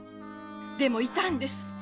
でもいたんです！